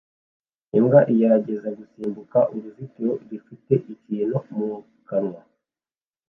Imbwa igerageza gusimbuka uruzitiro rufite ikintu mu kanwa